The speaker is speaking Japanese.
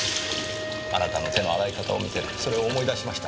あなたの手の洗い方を見てそれを思い出しました。